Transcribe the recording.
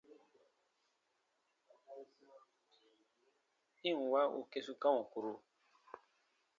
I ǹ wa u kesuka wɔ̃kuru!